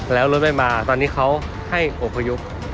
แล้วรถไม่มาตอนนี้เขาให้อบพยพ